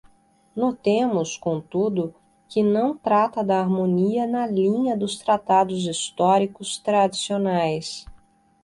Notemos, contudo, que não trata da harmonia na linha dos tratados históricos tradicionais.